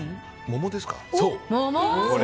桃ですか？